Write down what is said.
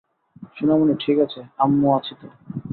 সোনামণি, ঠিক আছে, আম্মু আছি তো।